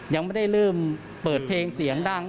ยังไม่ได้เริ่มเปิดเพลงเสียงดัง